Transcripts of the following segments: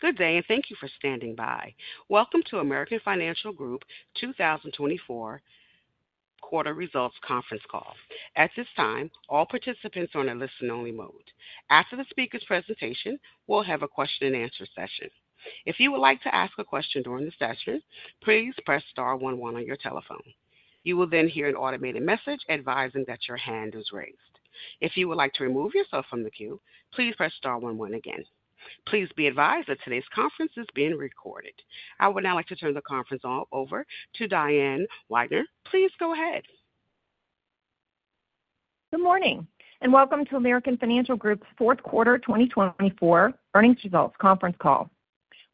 Good day, and thank you for standing by. Welcome to American Financial Group's 2024 Quarter Results Conference Call. At this time, all participants are in a listen-only mode. After the speaker's presentation, we'll have a question-and-answer session. If you would like to ask a question during the session, please press star one one on your telephone. You will then hear an automated message advising that your hand is raised. If you would like to remove yourself from the queue, please press star one one again. Please be advised that today's conference is being recorded. I would now like to turn the conference over to Diane Weidner. Please go ahead. Good morning, and welcome to American Financial Group's Q4 2024 Earnings Results Conference Call.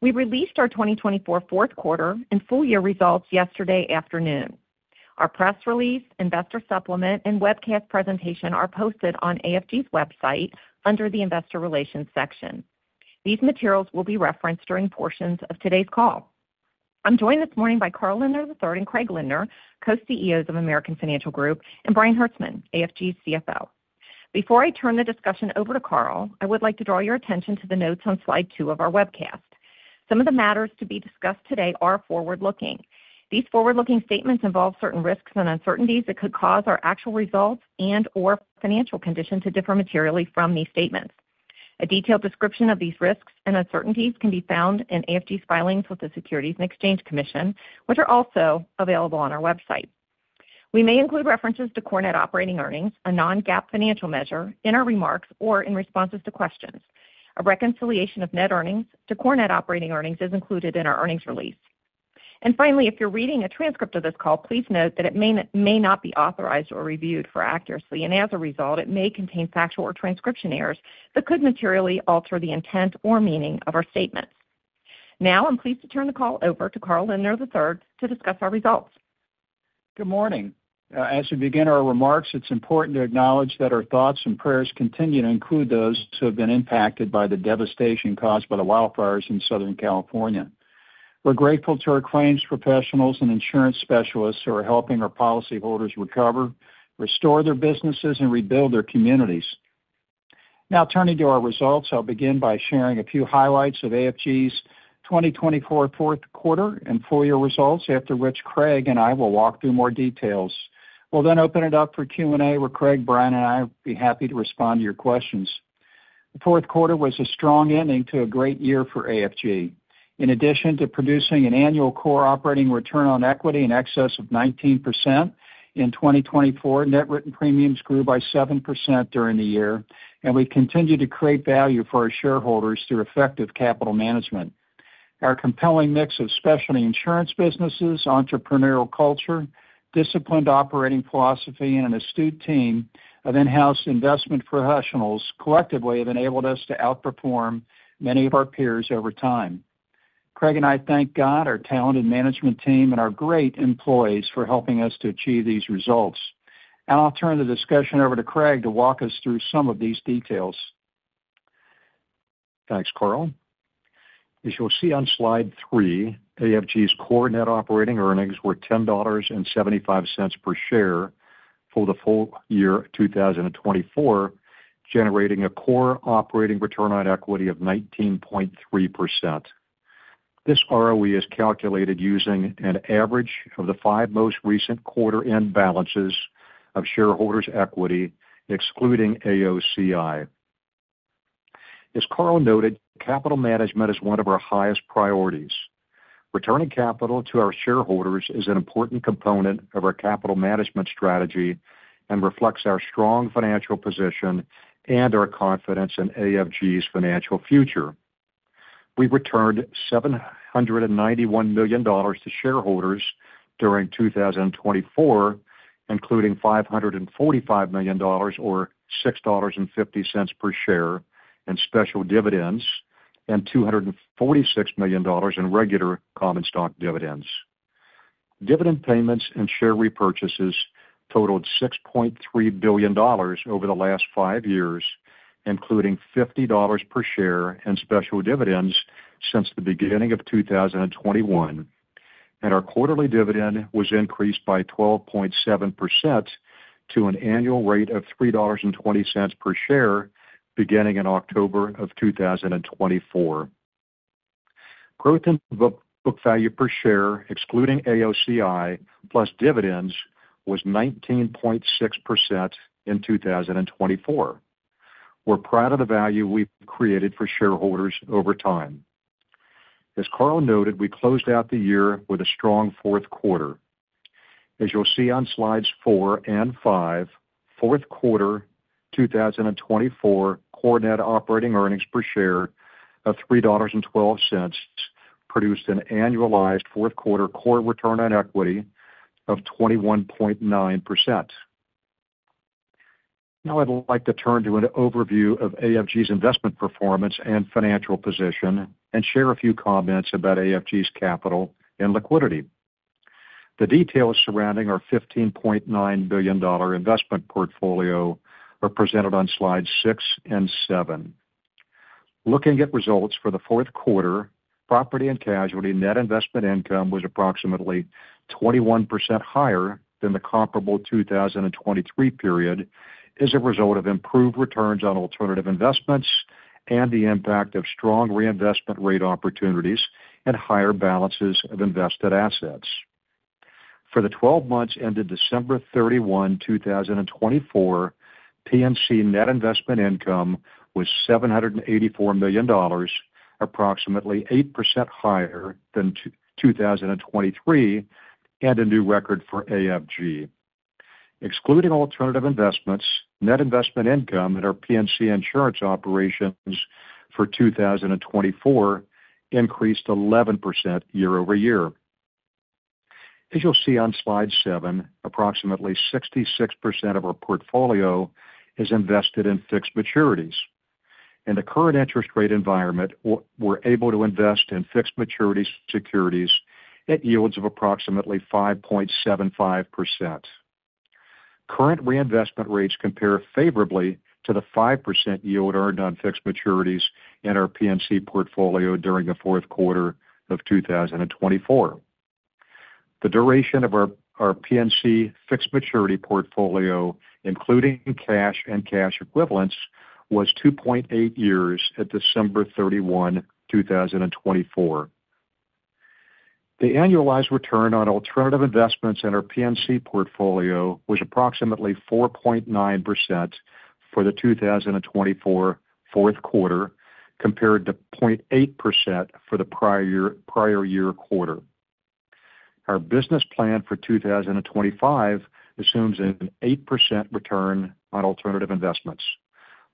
We released our 2024 Q4 and full-year results yesterday afternoon. Our press release, investor supplement, and webcast presentation are posted on AFG's website under the Investor Relations section. These materials will be referenced during portions of today's call. I'm joined this morning by Carl Lindner III and Craig Lindner, co-CEOs of American Financial Group, and Brian Hertzman, AFG's CFO. Before I turn the discussion over to Carl, I would like to draw your attention to the notes on Slide two of our webcast. Some of the matters to be discussed today are forward-looking. These forward-looking statements involve certain risks and uncertainties that could cause our actual results and/or financial condition to differ materially from these statements. A detailed description of these risks and uncertainties can be found in AFG's filings with the Securities and Exchange Commission, which are also available on our website. We may include references to core net operating earnings, a non-GAAP financial measure, in our remarks or in responses to questions. A reconciliation of net earnings to core net operating earnings is included in our earnings release. And finally, if you're reading a transcript of this call, please note that it may not be authorized or reviewed for accuracy, and as a result, it may contain factual or transcription errors that could materially alter the intent or meaning of our statements. Now, I'm pleased to turn the call over to Carl Lindner III to discuss our results. Good morning. As we begin our remarks, it's important to acknowledge that our thoughts and prayers continue to include those who have been impacted by the devastation caused by the wildfires in Southern California. We're grateful to our claims professionals and insurance specialists who are helping our policyholders recover, restore their businesses, and rebuild their communities. Now, turning to our results, I'll begin by sharing a few highlights of AFG's 2024 Q4 and full-year results, after which Craig and I will walk through more details. We'll then open it up for Q&A, where Craig, Brian, and I will be happy to respond to your questions. The Q4 was a strong ending to a great year for AFG. In addition to producing an annual core operating return on equity in excess of 19% in 2024, net written premiums grew by 7% during the year, and we continue to create value for our shareholders through effective capital management. Our compelling mix of specialty insurance businesses, entrepreneurial culture, disciplined operating philosophy, and an astute team of in-house investment professionals collectively have enabled us to outperform many of our peers over time. Craig and I thank God, our talented management team, and our great employees for helping us to achieve these results. And I'll turn the discussion over to Craig to walk us through some of these details. Thanks, Carl. As you'll see on Slide three, AFG's core net operating earnings were $10.75 per share for the full year 2024, generating a core operating return on equity of 19.3%. This ROE is calculated using an average of the five most recent quarter-end balances of shareholders' equity, excluding AOCI. As Carl noted, capital management is one of our highest priorities. Returning capital to our shareholders is an important component of our capital management strategy and reflects our strong financial position and our confidence in AFG's financial future. We returned $791 million to shareholders during 2024, including $545 million, or $6.50 per share in special dividends, and $246 million in regular common stock dividends. Dividend payments and share repurchases totaled $6.3 billion over the last five years, including $50 per share in special dividends since the beginning of 2021. Our quarterly dividend was increased by 12.7% to an annual rate of $3.20 per share beginning in October of 2024. Growth in book value per share, excluding AOCI, plus dividends was 19.6% in 2024, which speaks to the value we've created for shareholders over time. As Carl noted, we closed out the year with a strong Q4. As you'll see on Slides four and five, Q4 2024 core net operating earnings per share of $3.12 produced an annualized Q4 core return on equity of 21.9%. Now, I'd like to turn to an overview of AFG's investment performance and financial position and share a few comments about AFG's capital and liquidity. The details surrounding our $15.9 billion investment portfolio are presented on Slides six and seven. Looking at results for the Q4, property and casualty net investment income was approximately 21% higher than the comparable 2023 period as a result of improved returns on alternative investments and the impact of strong reinvestment rate opportunities and higher balances of invested assets. For the 12 months ended December 31, 2024, P&C net investment income was $784 million, approximately 8% higher than 2023, and a new record for AFG. Excluding alternative investments, net investment income in our P&C insurance operations for 2024 increased 11% year-over-year. As you'll see on Slide seven, approximately 66% of our portfolio is invested in fixed maturities. In the current interest rate environment, we're able to invest in fixed maturities securities at yields of approximately 5.75%. Current reinvestment rates compare favorably to the 5% yield earned on fixed maturities in our P&C portfolio during the Q4 of 2024. The duration of our P&C fixed maturity portfolio, including cash and cash equivalents, was 2.8 years at December 31, 2024. The annualized return on alternative investments in our P&C portfolio was approximately 4.9% for the 2024 Q4, compared to 0.8% for the prior year quarter. Our business plan for 2025 assumes an 8% return on alternative investments.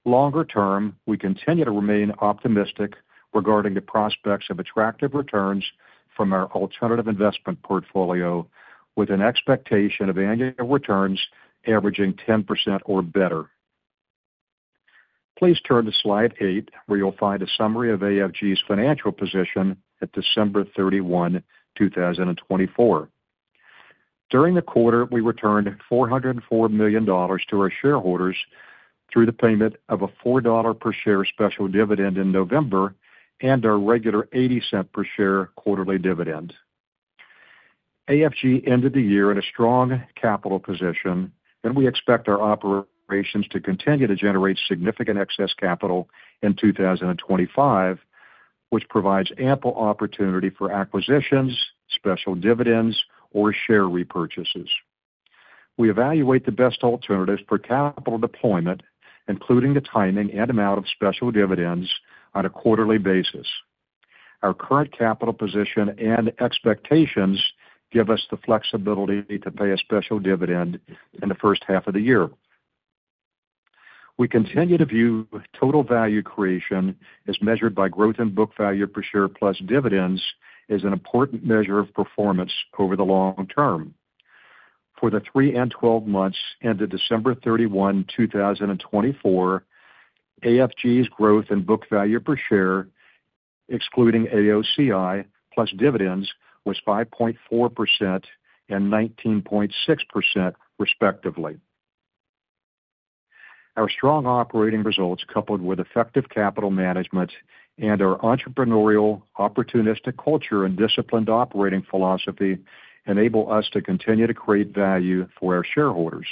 Longer term, we continue to remain optimistic regarding the prospects of attractive returns from our alternative investment portfolio, with an expectation of annual returns averaging 10% or better. Please turn to Slide eight, where you'll find a summary of AFG's financial position at December 31, 2024. During the quarter, we returned $404 million to our shareholders through the payment of a $4 per share special dividend in November and our regular $0.80 per share quarterly dividend. AFG ended the year in a strong capital position, and we expect our operations to continue to generate significant excess capital in 2025, which provides ample opportunity for acquisitions, special dividends, or share repurchases. We evaluate the best alternatives for capital deployment, including the timing and amount of special dividends on a quarterly basis. Our current capital position and expectations give us the flexibility to pay a special dividend in the first half of the year. We continue to view total value creation, as measured by growth in book value per share plus dividends, as an important measure of performance over the long term. For the three and 12 months ended December 31, 2024, AFG's growth in book value per share, excluding AOCI plus dividends, was 5.4% and 19.6%, respectively. Our strong operating results, coupled with effective capital management and our entrepreneurial, opportunistic culture and disciplined operating philosophy, enable us to continue to create value for our shareholders,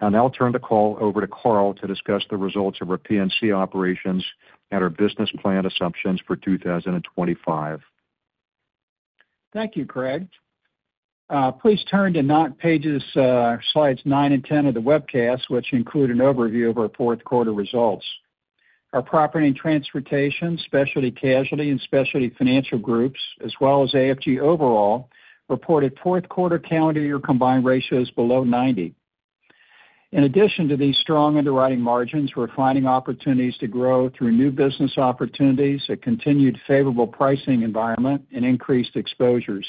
and I'll turn the call over to Carl to discuss the results of our P&C operations and our business plan assumptions for 2025. Thank you, Craig. Please turn to Slides nine and 10 of the webcast, which include an overview of our Q4 results. Our Property and Transportation, Specialty Casualty, and Specialty Financial groups, as well as AFG overall, reported Q4 calendar year combined ratios below 90. In addition to these strong underwriting margins, we're finding opportunities to grow through new business opportunities, a continued favorable pricing environment, and increased exposures.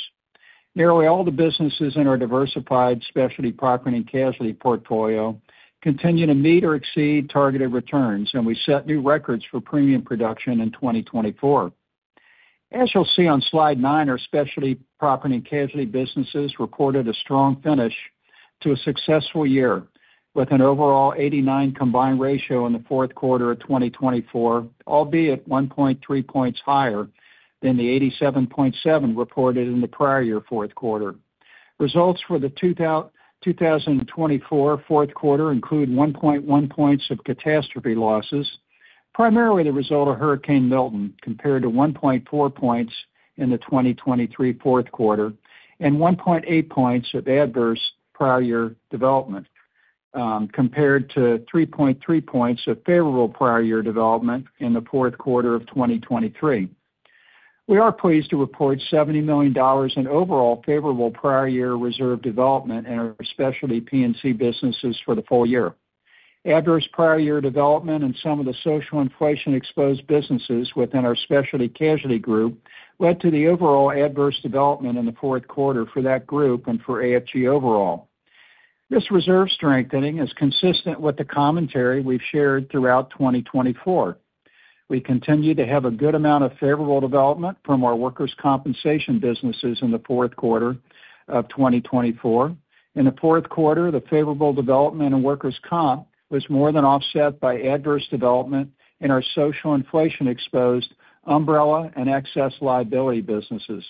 Nearly all the businesses in our diversified specialty property and casualty portfolio continue to meet or exceed targeted returns, and we set new records for premium production in 2024. As you'll see on Slide nine, our specialty property and casualty businesses reported a strong finish to a successful year, with an overall 89 combined ratio in the Q4 of 2024, albeit 1.3 points higher than the 87.7 reported in the prior year Q4. Results for the 2024 Q4 include 1.1 points of catastrophe losses, primarily the result of Hurricane Milton, compared to 1.4 points in the 2023 Q4 and 1.8 points of adverse prior year development, compared to 3.3 points of favorable prior year development in the Q4 of 2023. We are pleased to report $70 million in overall favorable prior year reserve development in our specialty P&C businesses for the full year. Adverse prior year development and some of the Social Inflation-Exposed businesses within our Specialty Casualty Group led to the overall adverse development in the Q4 for that group and for AFG overall. This reserve strengthening is consistent with the commentary we've shared throughout 2024. We continue to have a good amount of favorable development from our Workers' Compensation businesses in the Q4 of 2024. In the Q4, the favorable development in Workers' Comp was more than offset by adverse development in our Social Inflation-Exposed Umbrella and Excess Liability businesses.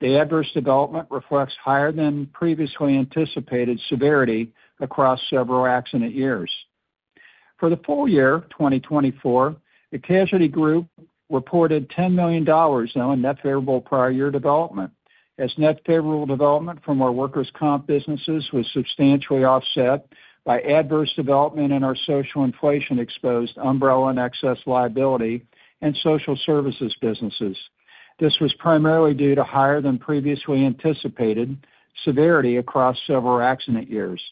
The adverse development reflects higher than previously anticipated severity across several accident years. For the full year, 2024, the casualty group reported $10 million in net favorable prior year development, as net favorable development from our Workers' Comp businesses was substantially offset by adverse development in our Social Inflation-Exposed Umbrella and Excess Liability and Social Services businesses. This was primarily due to higher than previously anticipated severity across several accident years.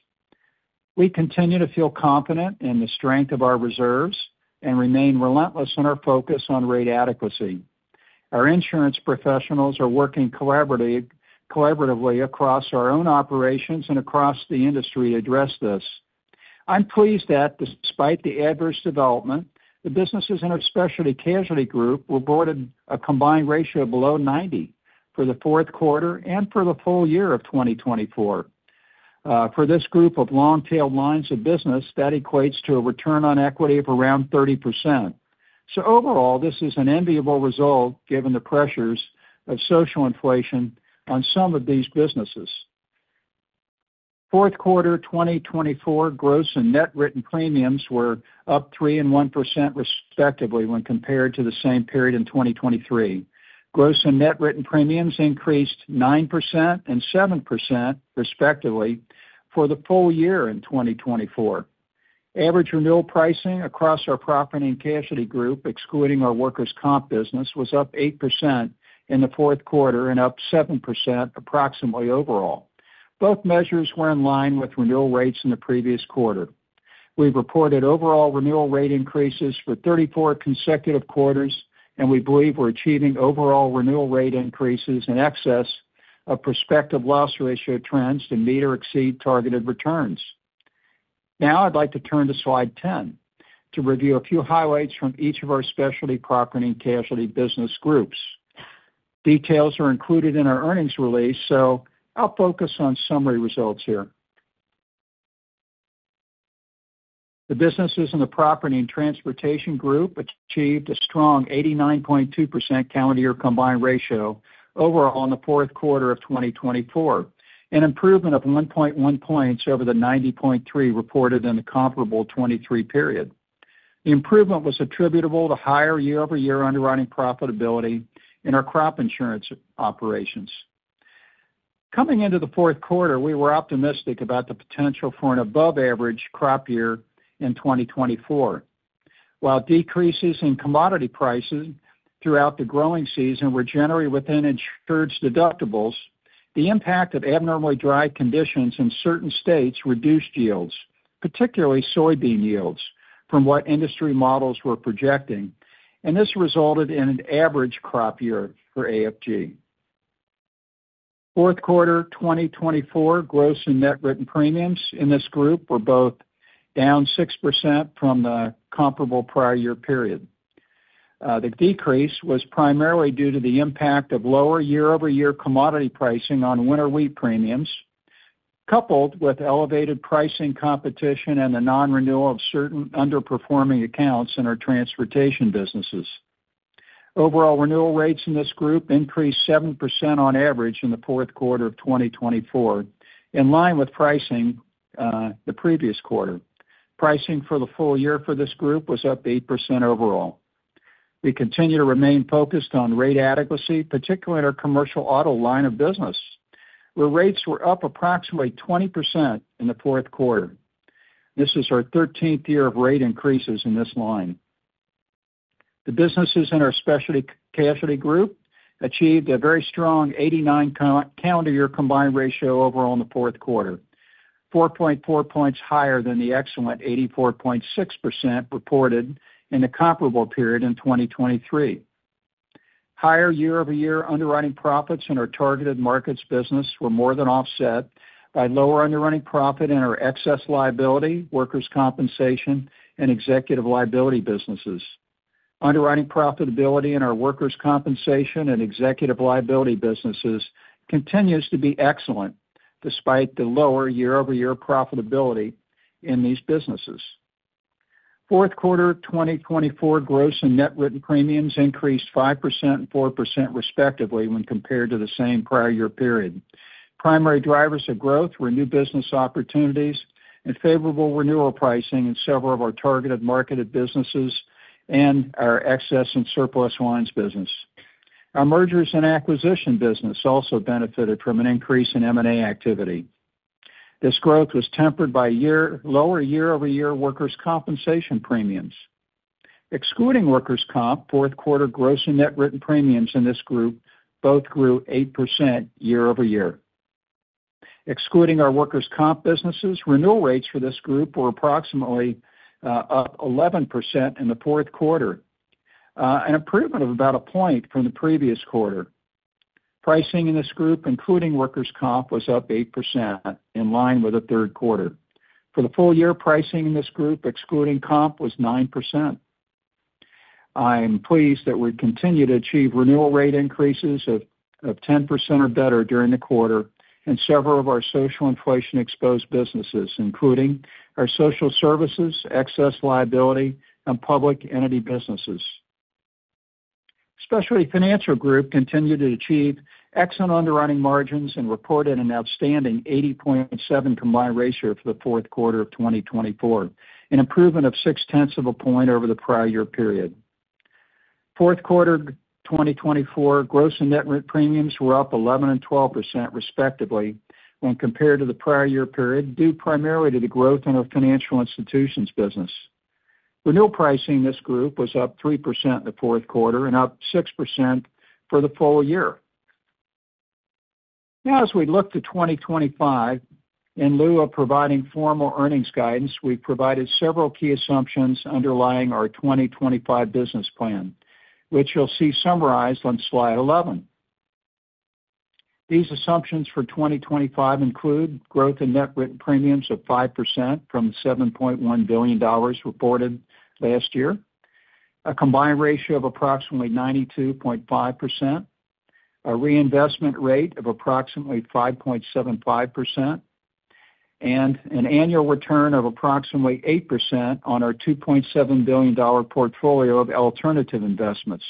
We continue to feel confident in the strength of our reserves and remain relentless in our focus on rate adequacy. Our insurance professionals are working collaboratively across our own operations and across the industry to address this. I'm pleased that, despite the adverse development, the businesses in our Specialty Casualty Group reported a combined ratio below 90 for the Q4 and for the full year of 2024. For this group of long-tailed lines of business, that equates to a return on equity of around 30%. So overall, this is an enviable result given the pressures of social inflation on some of these businesses. Q4 2024 gross and net written premiums were up 3% and 1%, respectively, when compared to the same period in 2023. Gross and net written premiums increased 9% and 7%, respectively, for the full year in 2024. Average renewal pricing across our property and casualty group, excluding our Workers' Comp business, was up 8% in the Q4 and up 7%, approximately overall. Both measures were in line with renewal rates in the previous quarter. We've reported overall renewal rate increases for 34 consecutive quarters, and we believe we're achieving overall renewal rate increases in excess of prospective loss ratio trends to meet or exceed targeted returns. Now, I'd like to turn to Slide 10 to review a few highlights from each of our specialty property and casualty business groups. Details are included in our earnings release, so I'll focus on summary results here. The businesses in the Property and Transportation Group achieved a strong 89.2% calendar year combined ratio overall in the Q4 of 2024, an improvement of 1.1 points over the 90.3 reported in the comparable 2023 period. The improvement was attributable to higher year-over-year underwriting profitability in our Crop Insurance operations. Coming into the Q4, we were optimistic about the potential for an above-average crop year in 2024. While decreases in commodity prices throughout the growing season were generated within insured deductibles, the impact of abnormally dry conditions in certain states reduced yields, particularly soybean yields, from what industry models were projecting, and this resulted in an average crop year for AFG. Q4 2024 gross and net written premiums in this group were both down 6% from the comparable prior year period. The decrease was primarily due to the impact of lower year-over-year commodity pricing on winter wheat premiums, coupled with elevated pricing competition and the non-renewal of certain underperforming accounts in our transportation businesses. Overall renewal rates in this group increased 7% on average in the Q4 of 2024, in line with pricing the previous quarter. Pricing for the full year for this group was up 8% overall. We continue to remain focused on rate adequacy, particularly in our commercial auto line of business, where rates were up approximately 20% in the Q4. This is our 13th year of rate increases in this line. The businesses in our Specialty Casualty Group achieved a very strong 89% calendar year combined ratio overall in the Q4, 4.4 points higher than the excellent 84.6% reported in the comparable period in 2023. Higher year-over-year underwriting profits in our Targeted Markets business were more than offset by lower underwriting profit in our Excess Liability, Workers' Compensation, and Executive Liability businesses. Underwriting profitability in our Workers' Compensation and Executive Liability businesses continues to be excellent, despite the lower year-over-year profitability in these businesses. Q4 2024 gross and net written premiums increased 5% and 4%, respectively, when compared to the same prior year period. Primary drivers of growth were new business opportunities and favorable renewal pricing in several of our Targeted Markets businesses and our Excess and Surplus Lines business. Our Mergers and Acquisitions business also benefited from an increase in M&A activity. This growth was tempered by lower year-over-year Workers' Compensation premiums. Excluding Workers' Comp, Q4 gross and net written premiums in this group both grew 8% year-over-year. Excluding our Workers' Comp businesses, renewal rates for this group were approximately up 11% in the Q4, an improvement of about a point from the previous quarter. Pricing in this group, including Workers' Comp, was up 8%, in line with the Q3. For the full year, pricing in this group, excluding comp, was 9%. I'm pleased that we continue to achieve renewal rate increases of 10% or better during the quarter in several of our Social Inflation-Exposed businesses, including our Social Services, Excess Liability, and Public Entity businesses. Specialty Financial Group continued to achieve excellent underwriting margins and reported an outstanding 80.7 combined ratio for the Q4 of 2024, an improvement of 0.6-point over the prior year period. Q4 2024 gross and net written premiums were up 11% and 12%, respectively, when compared to the prior year period, due primarily to the growth in our Financial Institutions business. Renewal pricing in this group was up 3% in the Q4 and up 6% for the full year. Now, as we look to 2025, in lieu of providing formal earnings guidance, we've provided several key assumptions underlying our 2025 business plan, which you'll see summarized on Slide 11. These assumptions for 2025 include growth in net written premiums of 5% from $7.1 billion reported last year, a combined ratio of approximately 92.5%, a reinvestment rate of approximately 5.75%, and an annual return of approximately 8% on our $2.7 billion portfolio of alternative investments.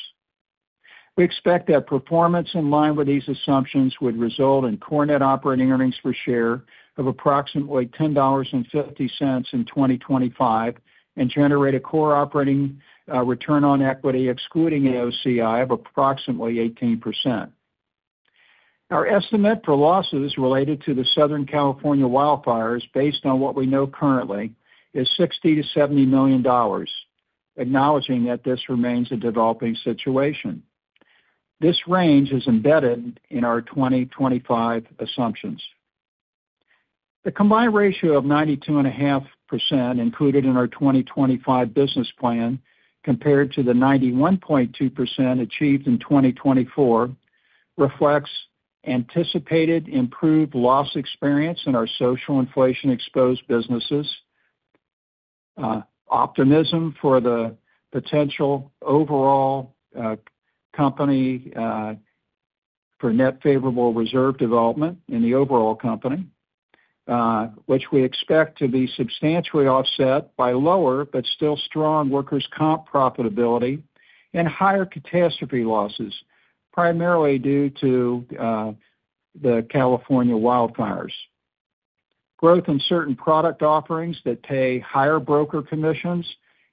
We expect that performance in line with these assumptions would result in core net operating earnings per share of approximately $10.50 in 2025 and generate a core operating return on equity, excluding AOCI, of approximately 18%. Our estimate for losses related to the Southern California wildfires, based on what we know currently, is $60 million-$70 million, acknowledging that this remains a developing situation. This range is embedded in our 2025 assumptions. The combined ratio of 92.5% included in our 2025 business plan, compared to the 91.2% achieved in 2024, reflects anticipated improved loss experience in our Social Inflation-Exposed businesses, optimism for the potential overall company for net favorable reserve development in the overall company, which we expect to be substantially offset by lower but still strong Workers' Comp profitability and higher catastrophe losses, primarily due to the California wildfires. Growth in certain product offerings that pay higher broker commissions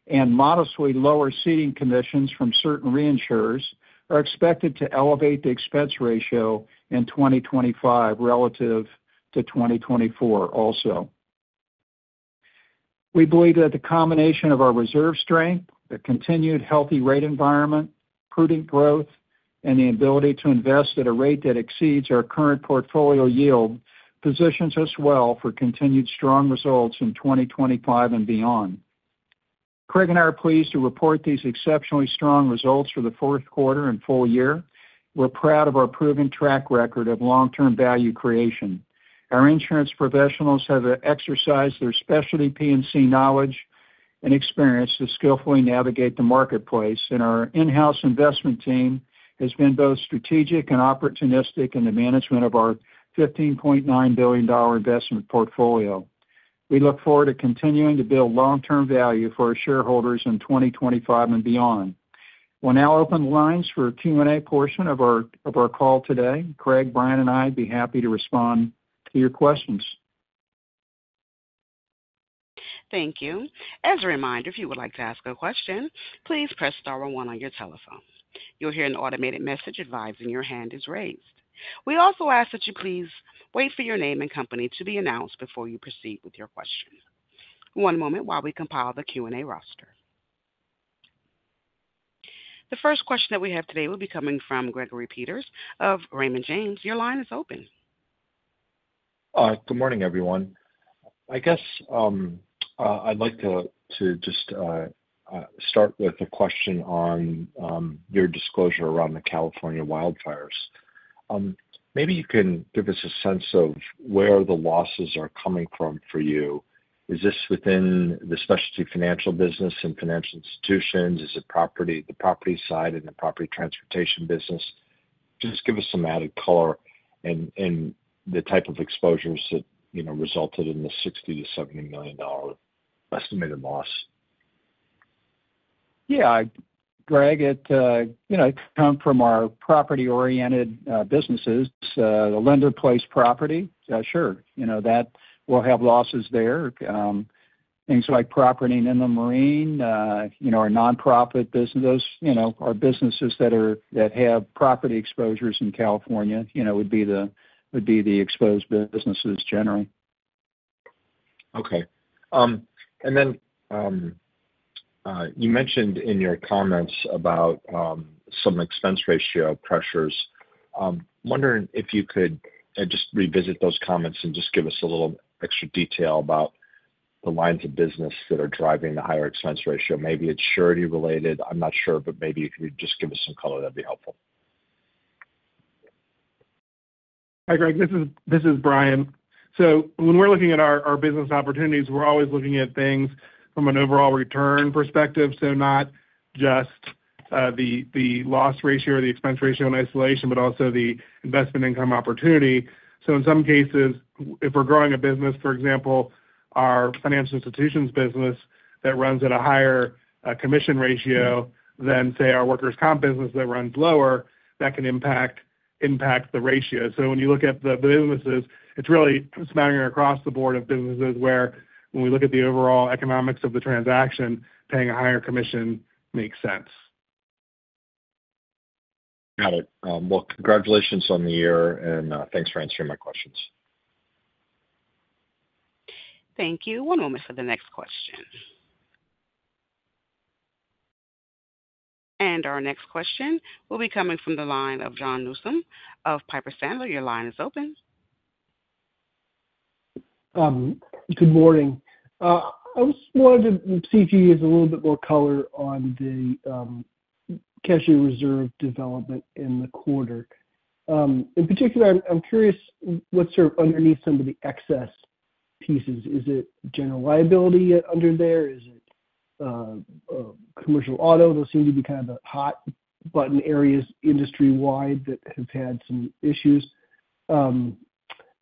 and modestly lower ceding commissions from certain reinsurers are expected to elevate the expense ratio in 2025 relative to 2024 also. We believe that the combination of our reserve strength, the continued healthy rate environment, prudent growth, and the ability to invest at a rate that exceeds our current portfolio yield positions us well for continued strong results in 2025 and beyond. Craig and I are pleased to report these exceptionally strong results for the Q4 and full year. We're proud of our proven track record of long-term value creation. Our insurance professionals have exercised their specialty P&C knowledge and experience to skillfully navigate the marketplace, and our in-house investment team has been both strategic and opportunistic in the management of our $15.9 billion investment portfolio. We look forward to continuing to build long-term value for our shareholders in 2025 and beyond. We'll now open the lines for a Q&A portion of our call today. Craig, Brian, and I would be happy to respond to your questions. Thank you. As a reminder, if you would like to ask a question, please press star one one on your telephone. You'll hear an automated message advising your hand is raised. We also ask that you please wait for your name and company to be announced before you proceed with your question. One moment while we compile the Q&A roster. The first question that we have today will be coming from Gregory Peters of Raymond James. Your line is open. Good morning, everyone. I guess I'd like to just start with a question on your disclosure around the California wildfires. Maybe you can give us a sense of where the losses are coming from for you. Is this within the specialty financial business and financial institutions? Is it the property side and the property transportation business? Just give us some added color in the type of exposures that resulted in the $60-$70 million estimated loss. Yeah, Greg, it comes from our property-oriented businesses. The lender-placed property, sure, that will have losses there. Things like property in the marine, our nonprofit business, our businesses that have property exposures in California would be the exposed businesses generally. Okay. And then you mentioned in your comments about some expense ratio pressures. I'm wondering if you could just revisit those comments and just give us a little extra detail about the lines of business that are driving the higher expense ratio. Maybe it's surety-related. I'm not sure, but maybe if you could just give us some color, that'd be helpful. Hi, Greg. This is Brian. So when we're looking at our business opportunities, we're always looking at things from an overall return perspective, so not just the loss ratio or the expense ratio in isolation, but also the investment income opportunity. So in some cases, if we're growing a business, for example, our Financial Institutions business that runs at a higher commission ratio than, say, our Workers' Comp business that runs lower, that can impact the ratio. So when you look at the businesses, it's really smattering across the board of businesses where when we look at the overall economics of the transaction, paying a higher commission makes sense. Got it. Well, congratulations on the year, and thanks for answering my questions. Thank you. One moment for the next question. Our next question will be coming from the line of Paul Newsome of Piper Sandler. Your line is open. Good morning. I just wanted to see if you could give us a little bit more color on the casualty reserve development in the quarter. In particular, I'm curious what's sort of underneath some of the excess pieces. Is it general liability under there? Is it commercial auto? Those seem to be kind of the hot-button areas industry-wide that have had some issues.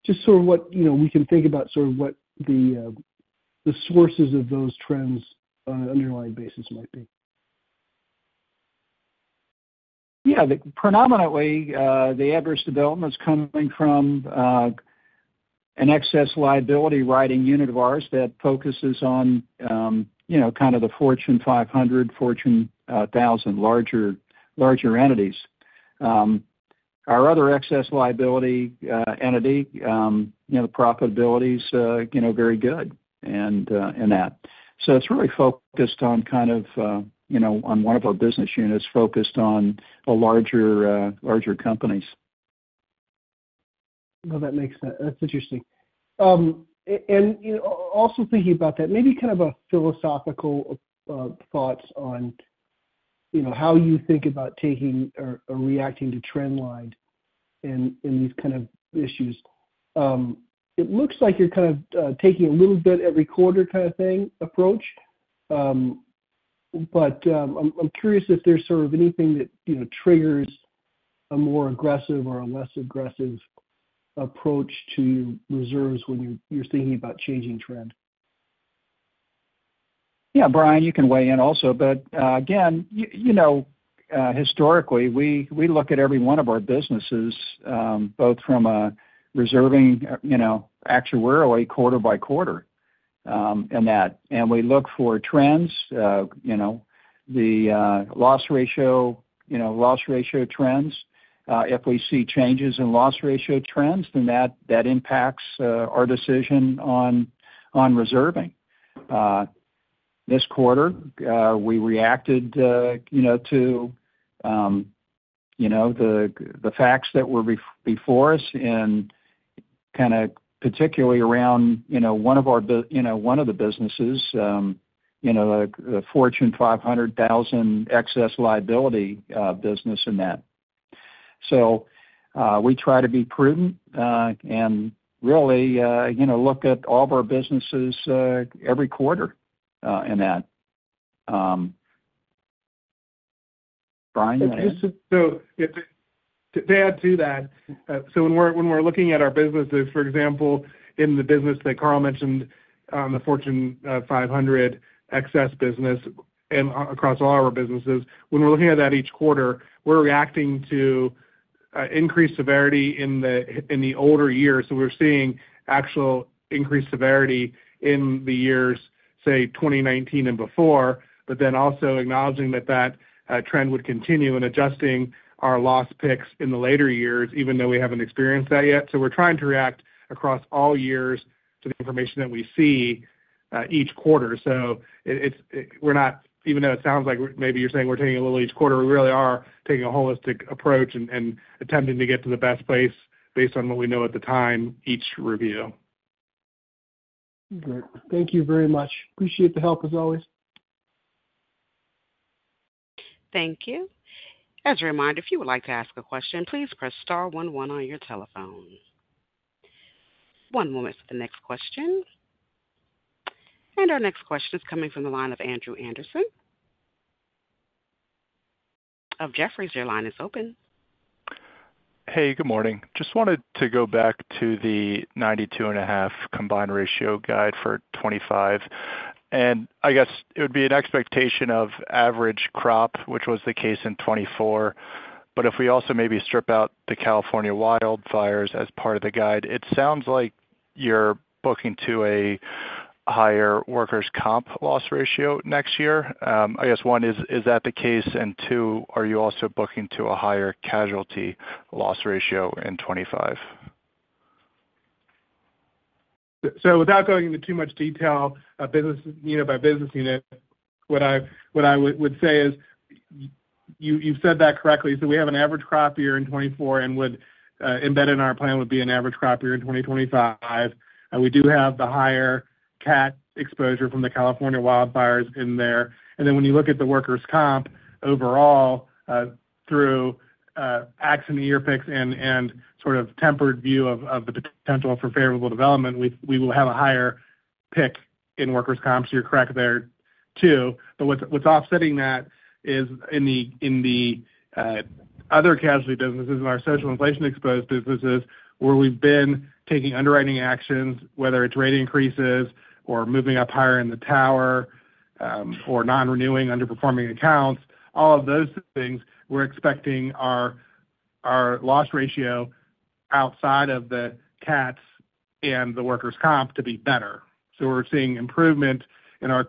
Just sort of what we can think about, sort of what the sources of those trends on an underlying basis might be. Yeah. Predominantly, the average development's coming from an Excess Liability writing unit of ours that focuses on kind of the Fortune 500, Fortune 1000, larger entities. Our other Excess Liability entity, the profitability's very good in that. So it's really focused on kind of one of our business units focused on larger companies. That makes sense. That's interesting and also thinking about that, maybe kind of a philosophical thought on how you think about taking or reacting to trend lines in these kind of issues. It looks like you're kind of taking a little bit every quarter kind of thing approach, but I'm curious if there's sort of anything that triggers a more aggressive or a less aggressive approach to reserves when you're thinking about changing trend? Yeah, Brian, you can weigh in also. But again, historically, we look at every one of our businesses both from a reserving actuarially quarter-by-quarter in that. And we look for trends, the loss ratio trends. If we see changes in loss ratio trends, then that impacts our decision on reserving. This quarter, we reacted to the facts that were before us in kind of particularly around one of the businesses, the Fortune 500 Excess Liability business in that. So we try to be prudent and really look at all of our businesses every quarter in that. Brian, go ahead. So to add to that, so when we're looking at our businesses, for example, in the business that Carl mentioned, the Fortune 500 Excess business across all our businesses, when we're looking at that each quarter, we're reacting to increased severity in the older years. So we're seeing actual increased severity in the years, say, 2019 and before, but then also acknowledging that that trend would continue and adjusting our loss picks in the later years, even though we haven't experienced that yet. So we're trying to react across all years to the information that we see each quarter. So even though it sounds like maybe you're saying we're taking a little each quarter, we really are taking a holistic approach and attempting to get to the best place based on what we know at the time each review. Great. Thank you very much. Appreciate the help as always. Thank you. As a reminder, if you would like to ask a question, please press star one-one on your telephone. One moment for the next question. And our next question is coming from the line of Andrew Andersen of Jefferies, your line is open. Hey, good morning. Just wanted to go back to the 92.5% combined ratio guide for 2025, and I guess it would be an expectation of average crop, which was the case in 2024, but if we also maybe strip out the California wildfires as part of the guide, it sounds like you're booking to a higher Workers' Comp loss ratio next year. I guess, one, is that the case, and two, are you also booking to a higher casualty loss ratio in 2025? So without going into too much detail, by business unit, what I would say is you've said that correctly. So we have an average crop year in 2024, and embedded in our plan would be an average crop year in 2025. We do have the higher cat exposure from the California wildfires in there and then when you look at the Workers' Comp overall through accident year picks and sort of tempered view of the potential for favorable development, we will have a higher pick in Workers' Comp. You're correct there, too. But what's offsetting that is in the other Casualty businesses and our Social Inflation-Exposed businesses where we've been taking underwriting actions, whether it's rate increases or moving up higher in the tower or non-renewing underperforming accounts, all of those things, we're expecting our loss ratio outside of the cats and the Workers' Comp to be better. So we're seeing improvement in our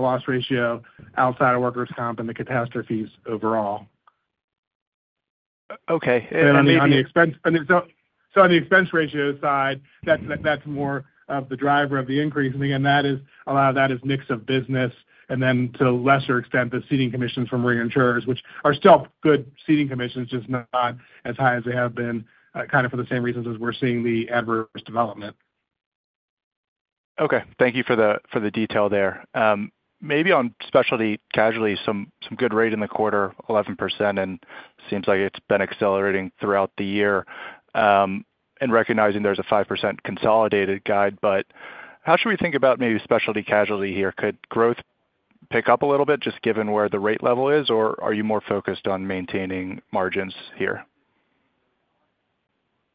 loss ratio outside of Workers' Comp and the catastrophes overall. So on the expense ratio side, that's more of the driver of the increase. And again, a lot of that is mix of business. And then to a lesser extent, the ceding commissions from reinsurers, which are still good ceding commissions, just not as high as they have been kind of for the same reasons as we're seeing the adverse development. Okay. Thank you for the detail there. Maybe on specialty casualty, some good rate in the quarter, 11%, and seems like it's been accelerating throughout the year. And recognizing there's a 5% consolidated guide, but how should we think about maybe specialty casualty here? Could growth pick up a little bit just given where the rate level is, or are you more focused on maintaining margins here?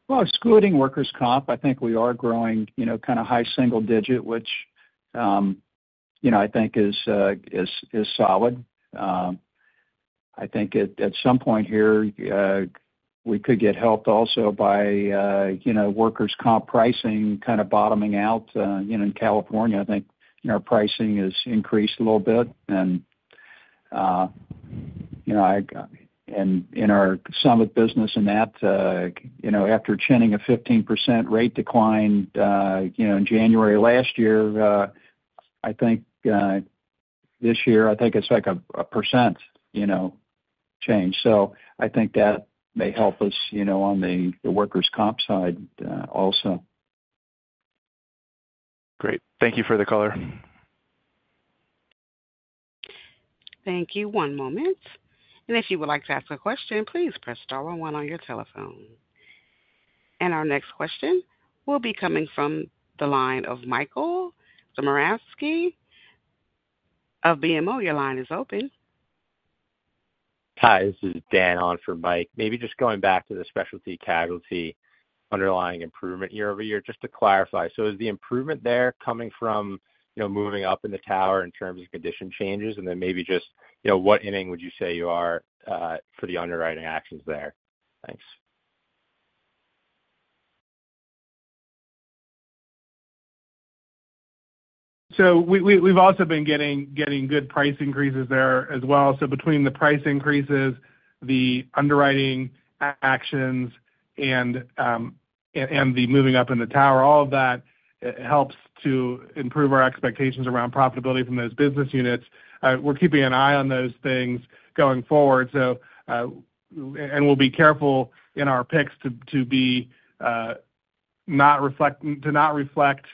Excluding Workers' Comp, I think we are growing kind of high single digit, which I think is solid. I think at some point here, we could get helped also by Workers' Comp pricing kind of bottoming out in California. I think our pricing has increased a little bit. In our Summit business in that, after seeing a 15% rate decline in January last year, I think this year, I think it's like a 1% change. I think that may help us on the Workers' Comp side also. Great. Thank you for the color. Thank you. One moment. And if you would like to ask a question, please press star one-one on your telephone. And our next question will be coming from the line of Mike Zaremski of BMO. Your line is open. Hi. This is Dan on for Mike. Maybe just going back to the specialty casualty underlying improvement year-over-year, just to clarify. So is the improvement there coming from moving up in the tower in terms of condition changes? And then maybe just what inning would you say you are for the underwriting actions there? Thanks. So we've also been getting good price increases there as well. So between the price increases, the underwriting actions, and the moving up in the tower, all of that helps to improve our expectations around profitability from those business units. We're keeping an eye on those things going forward. And we'll be careful in our picks to not reflect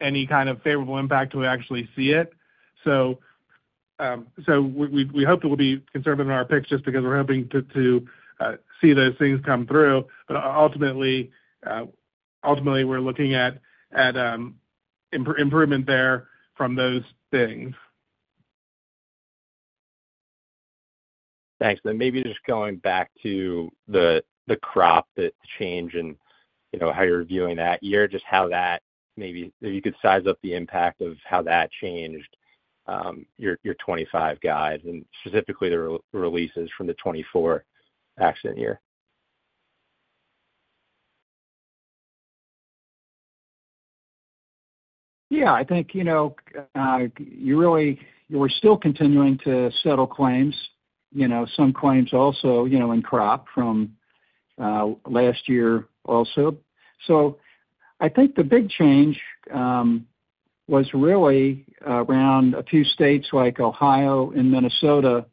any kind of favorable impact till we actually see it. So we hope that we'll be conservative in our picks just because we're hoping to see those things come through. But ultimately, we're looking at improvement there from those things. Thanks. And then maybe just going back to the crop change and how you're viewing that year, just how that maybe if you could size up the impact of how that changed your 2025 guide and specifically the releases from the 2024 accident year? Yeah. I think you're still continuing to settle claims, some claims also in crop from last year also. So I think the big change was really around a few states like Ohio and Minnesota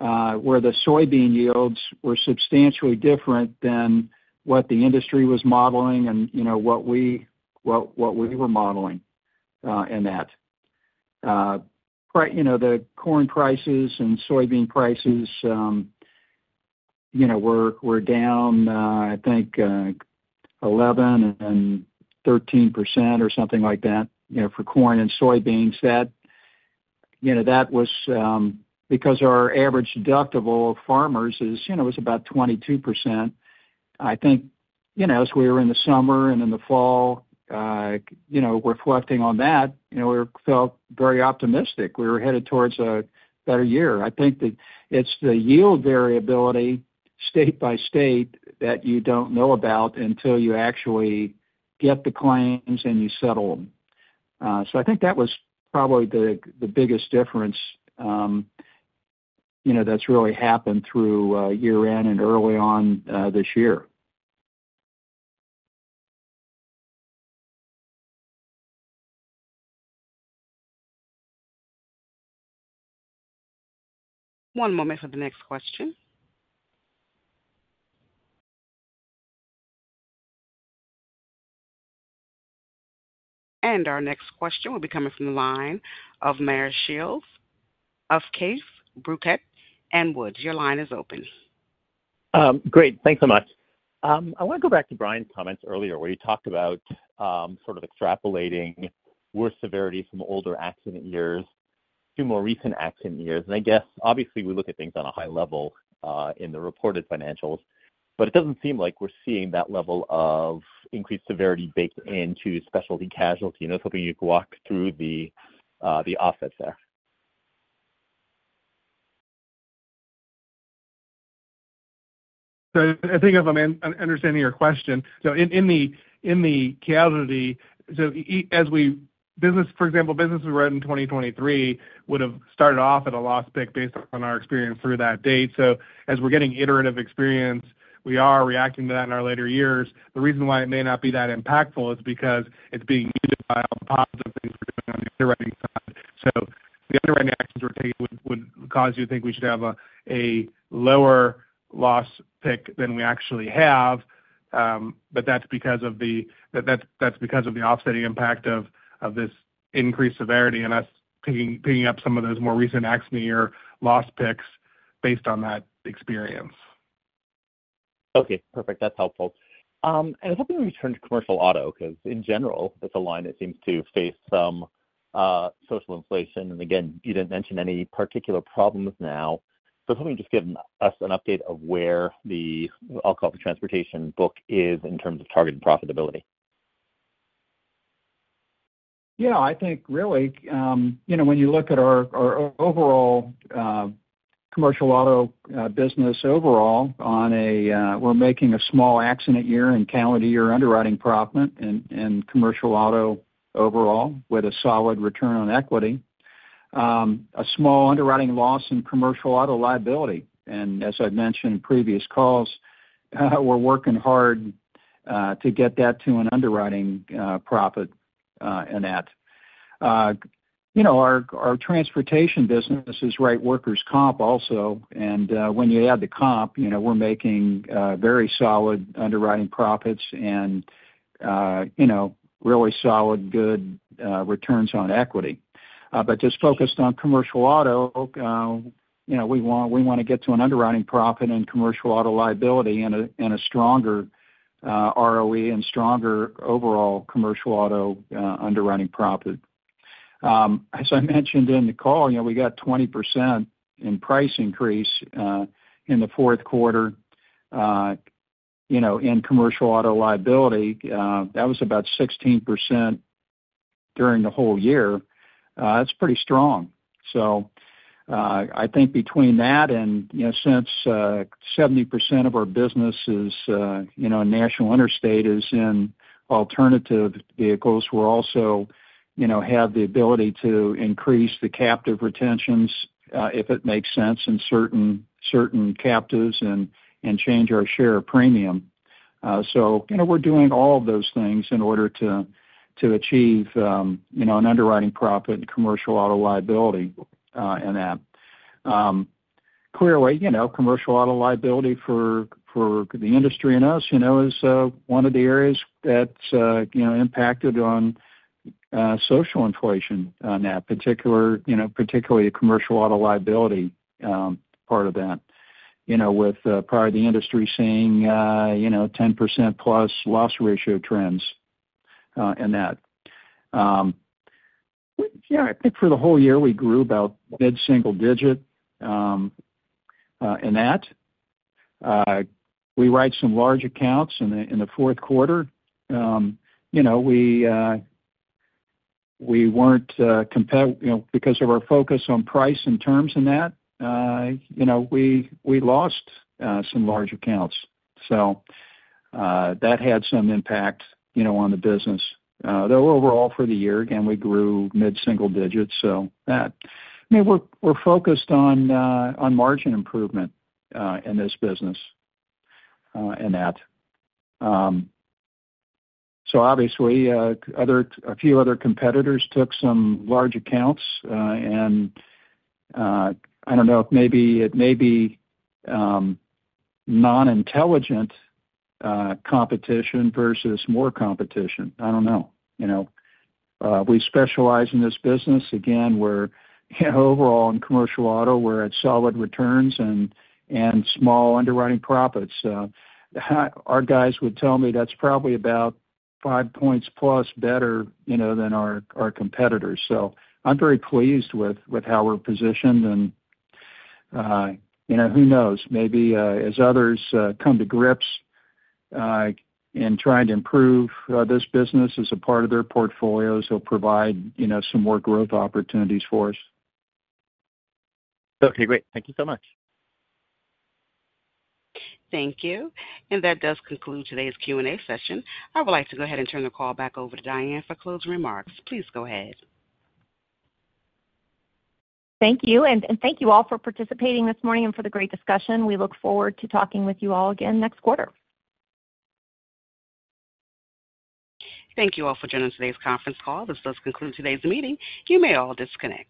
where the soybean yields were substantially different than what the industry was modeling and what we were modeling in that. The corn prices and soybean prices were down, I think, 11% and 13% or something like that for corn and soybeans. That was because our average deductible of farmers was about 22%. I think, as we were in the summer and in the fall, reflecting on that, we felt very optimistic. We were headed towards a better year. I think that it's the yield variability state by state that you don't know about until you actually get the claims and you settle them. So I think that was probably the biggest difference that's really happened through year-end and early on this year. One moment for the next question. Our next question will be coming from the line of Meyer Shields of Keefe, Bruyette & Woods. Your line is open. Great. Thanks so much. I want to go back to Brian's comments earlier where he talked about sort of extrapolating worse severity from older accident years to more recent accident years. And I guess, obviously, we look at things on a high level in the reported financials, but it doesn't seem like we're seeing that level of increased severity baked into specialty casualty. And I was hoping you could walk through the offset there. I think if I'm understanding your question, in the casualty, as we, for example, business written in 2023, would have started off at a loss pick based on our experience through that date. As we're getting iterative experience, we are reacting to that in our later years. The reason why it may not be that impactful is because it's being used to offset positive things on the underwriting side. The underwriting actions we're taking would cause you to think we should have a lower loss pick than we actually have. But that's because of the offsetting impact of this increased severity and us picking up some of those more recent accident year loss picks based on that experience. Okay. Perfect. That's helpful, and I was hoping we turn to commercial auto because, in general, it's a line that seems to face some social inflation. And again, you didn't mention any particular problems now, so I was hoping you'd just give us an update of where the, I'll call it, the transportation book is in terms of targeted profitability. Yeah. I think really, when you look at our overall Commercial Auto business overall, we're making a small accident year and calendar year underwriting profit in commercial auto overall with a solid return on equity, a small underwriting loss in Commercial Auto Liability. And as I've mentioned in previous calls, we're working hard to get that to an underwriting profit in that. Our Transportation business is right Workers' Comp also. And when you add the comp, we're making very solid underwriting profits and really solid, good returns on equity. But just focused on commercial auto, we want to get to an underwriting profit in commercial auto liability and a stronger ROE and stronger overall commercial auto underwriting profit. As I mentioned in the call, we got 20% in price increase in the Q4 in commercial auto liability. That was about 16% during the whole year. That's pretty strong. So I think between that and since 70% of our business is National Interstate is in alternative vehicles, we also have the ability to increase the captive retentions if it makes sense in certain captives and change our share of premium. So we're doing all of those things in order to achieve an underwriting profit in Commercial Auto Liability in that. Clearly, commercial auto liability for the industry and us is one of the areas that's impacted on Social Inflation in that, particularly the Commercial Auto Liability part of that, with prior to the industry seeing 10% plus loss ratio trends in that. Yeah. I think for the whole year, we grew about mid-single-digit in that. We write some large accounts in the Q4. We weren't because of our focus on price and terms in that, we lost some large accounts. So that had some impact on the business. Though overall for the year, again, we grew mid-single-digits. So that, I mean, we're focused on margin improvement in this business in that. So obviously, a few other competitors took some large accounts. And I don't know if maybe it may be non-intelligent competition versus more competition. I don't know. We specialize in this business. Again, overall in commercial auto, we're at solid returns and small underwriting profits. Our guys would tell me that's probably about five points plus better than our competitors. So I'm very pleased with how we're positioned. And who knows? Maybe as others come to grips in trying to improve this business as a part of their portfolios, they'll provide some more growth opportunities for us. Okay. Great. Thank you so much. Thank you. And that does conclude today's Q&A session. I would like to go ahead and turn the call back over to Diane for closing remarks. Please go ahead. Thank you. And thank you all for participating this morning and for the great discussion. We look forward to talking with you all again next quarter. Thank you all for joining today's conference call. This does conclude today's meeting. You may all disconnect.